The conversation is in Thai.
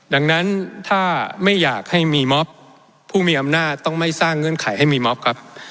ดังนั้นถ้าไม่อยากให้มีมอบผู้มีอำนาจต้องไม่สร้างเงื่อนไขให้มีมอบครับ